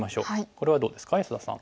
これはどうですか安田さん。